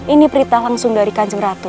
ini perintah langsung dari kanjeng ratu